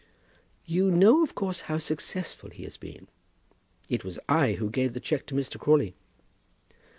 "You know, of course, how successful he has been? It was I who gave the cheque to Mr. Crawley."